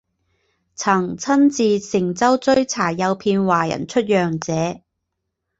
曾亲自乘舟追查诱骗华人出洋者。